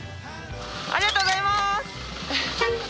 ありがとうございます！